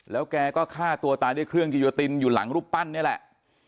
แล้วแกก็ฆ่าตัวตายด้วยเครื่องกิโยตินอยู่หลังรูปปั้นนี่แหละ